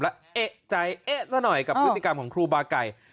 แล้วเอกใจเอ๊ะซะหน่อยกับพฤติกรรมของครูบาไก่